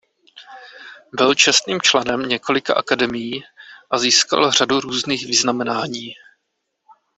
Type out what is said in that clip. Byl čestným členem několika akademií a získal řadu různých vyznamenání.